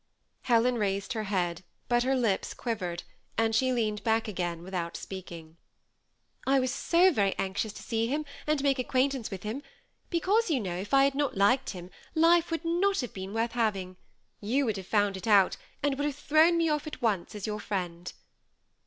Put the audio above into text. Helen raised her head, but her lips quivered, and she leaned back again without speaking. 24 THE SEMI ATTACHED COUPLE, ^^ I was so very anxious to see him, and to make ac quaintance with him ; because, you know, if I had not liked him, life would not have been worth having. You would have found it out, and would have thrown me off at once as your friend."